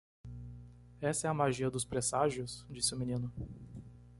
"Essa é a magia dos presságios?" disse o menino.